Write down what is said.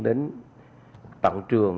đến tận trường